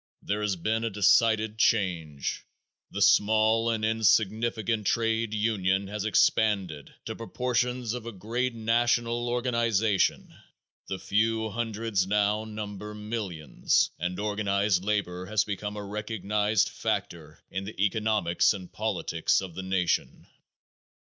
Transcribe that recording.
There has been a decided change. The small and insignificant trade union has expanded to the proportions of a great national organization. The few hundreds now number millions and organized labor has become a recognized factor in the economics and politics of the nation.